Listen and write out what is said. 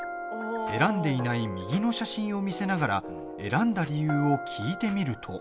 選んでいない右の写真を見せながら選んだ理由を聞いてみると。